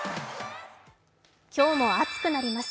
今日も暑くなります。